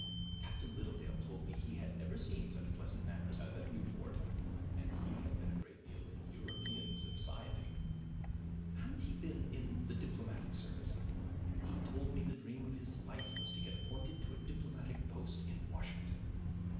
Captain Littledale told me he had never seen such pleasant manners as at Newport, and he had been a great deal in European society. Hadn't he been in the diplomatic service? He told me the dream of his life was to get appointed to a diplomatic post in Washington.